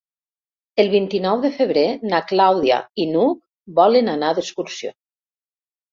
El vint-i-nou de febrer na Clàudia i n'Hug volen anar d'excursió.